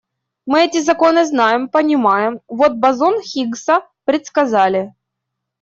Мы эти законы знаем, понимаем, вот бозон Хиггса предсказали.